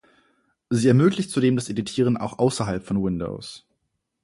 Sie ermöglicht zudem das Editieren auch außerhalb von Windows.